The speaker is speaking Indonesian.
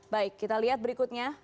baik kita lihat berikutnya